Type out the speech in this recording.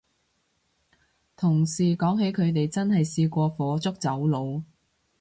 同事講起佢哋真係試過火燭走佬